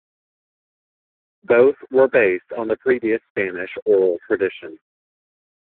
Both were based on the previous Spanish oral tradition.